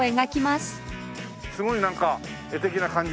すごいなんか絵的な感じで。